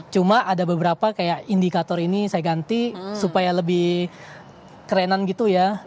cuma ada beberapa kayak indikator ini saya ganti supaya lebih kerenan gitu ya